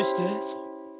そう。